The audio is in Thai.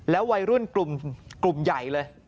วัยรุ่นกลุ่มใหญ่เลย